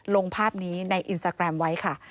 ลงภาพนี้ในอินสตาแกรมไว้ค่ะ